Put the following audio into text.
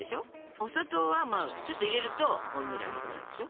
お砂糖はちょっと入れるとほんのり甘くなるでしょ。